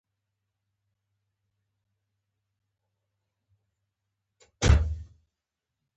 له تازه ګوبرو ګاز جوړولای شو